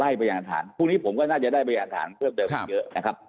เดี๋ยวกำลังไล่อันธรรมพรุ่งนี้ผมก็ได้อันธรรมเยอะนะครับ